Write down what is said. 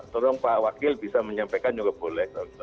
tolong pak wakil bisa menyampaikan juga boleh